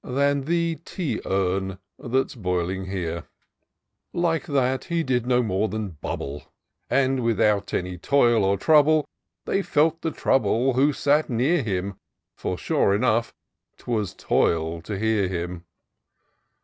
Than the tea urn that's boiling here ; Like that, he did no more than bubble, And without any toil or trouble : They felt the trouble who sat near him ; For, sure enough, 'twas toil to hear him.